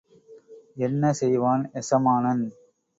என்ன செய்வான் எசமானன்?